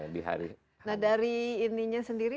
nah dari intinya sendiri